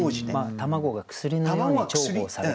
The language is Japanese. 卵が薬のように重宝されていた時代。